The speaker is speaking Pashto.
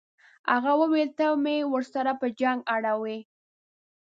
هغه وویل ته مې ورسره په جنګ اړوې.